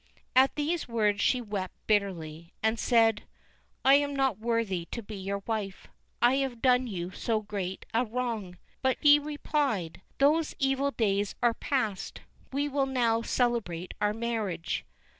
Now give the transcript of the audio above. At these words she wept bitterly, and said: "I am not worthy to be your wife, I have done you so great a wrong." But he replied: "Those evil days are passed; we will now celebrate our marriage."